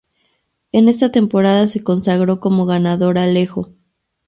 En esta temporada se consagró como ganador Alejo.